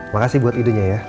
makasih buat idenya ya